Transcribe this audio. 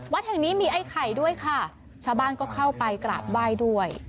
วัดแห่งนี้มีไอ้ไข่ด้วยค่ะชาวบ้านก็เข้าไปกราบไหว้ด้วย